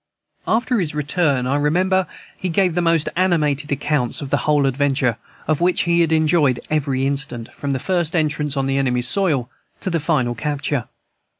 After his return, I remember, he gave the most animated accounts of the whole adventure, of which he had enjoyed every instant, from the first entrance on the enemy's soil to the final capture.